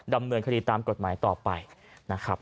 ดำเนินคดีตามกฎหมายต่อไปนะครับ